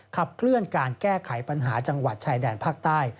ขับเคลื่อนการแก้ไขปัญหาจังหวัดชายแดนภาคใต้